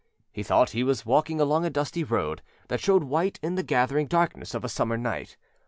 He thought he was walking along a dusty road that showed white in the gathering darkness of a summer night.